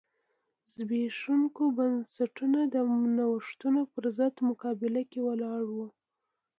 زبېښونکي بنسټونه د نوښتونو پرضد مقابله کې ولاړ و.